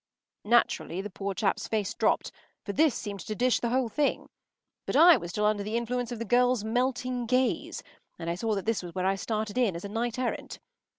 ” Naturally the poor chap’s face dropped, for this seemed to dish the whole thing. But I was still under the influence of the girl’s melting gaze, and I saw that this was where I started in as a knight errant.